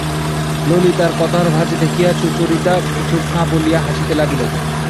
ললিতার কথার ঝাঁজ দেখিয়া সুচরিতা কিছু না বলিয়া হাসিতে লাগিল।